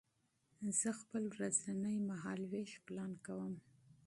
زه خپل ورځنی مهالوېش پلان کوم.